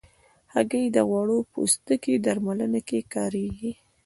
هګۍ د غوړ پوستکي درملنه کې کارېږي.